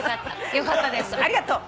よかったですありがとう。